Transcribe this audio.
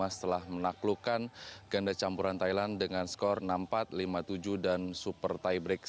medali emas telah menaklukkan ganda campuran thailand dengan skor enam puluh empat lima puluh tujuh dan super tiebreak sepuluh tujuh